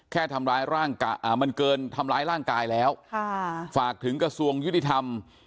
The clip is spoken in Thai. แค่ทำร้ายร่างกายมันเกินทำร้ายร่างกายแล้วฝากถึงกระทรวงยุติธรรม